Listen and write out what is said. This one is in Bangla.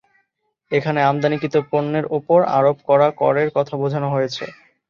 এখানে আমদানিকৃত পণ্যের উপর আরোপ করা করের কথা বোঝানো হয়েছে।